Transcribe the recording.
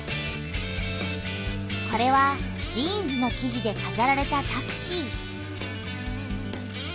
これはジーンズの生地でかざられたタクシー。